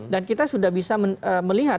dan kita sudah bisa melihat